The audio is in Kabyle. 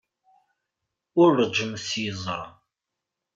Ur ṛejjmet s yeẓra.